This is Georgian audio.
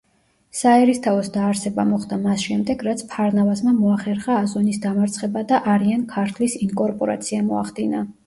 საერისთავოს დაარსება მოხდა მას შემდეგ რაც ფარნავაზმა მოახერხა აზონის დამარცხება და არიან-ქართლის ინკორპორაცია მოახდინა.